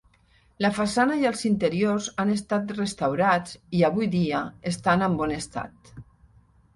La façana i els interiors han estat restaurats i avui dia estan en bon estat.